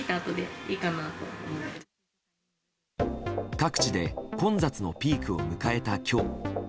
各地で混雑のピークを迎えた今日。